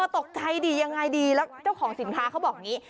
ตกใจดิยังไงดีแล้วเจ้าของสินค้าเขาบอกอย่างนี้